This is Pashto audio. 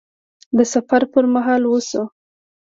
د سفر پر مهال وشو